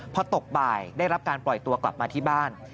พอตกบ่ายได้รับการปล่อยตัวกลับมาที่บ้าน